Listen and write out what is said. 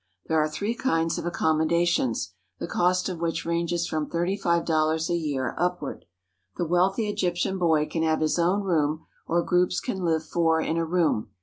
There are three kinds of accommodations, the cost of which ranges from thirty five dollars a year upward. The wealthy Egyptian boy can have his own room, or groups can live four in a room.